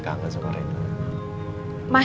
yaudah kalau gitu ya